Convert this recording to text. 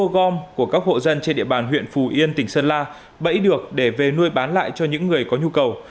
gom của các hộ dân trên địa bàn huyện phù yên tỉnh sơn la bẫy được để về nuôi bán lại cho những người có nhu cầu